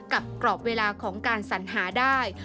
กับกรอบเวลาการสัญหาได้